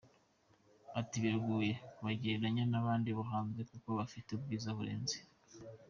Ati “Biragoye kubagereranya n’abandi bo hanze kuko bafite ubwiza burenze.